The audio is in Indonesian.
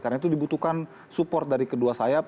karena itu dibutuhkan support dari kedua sayap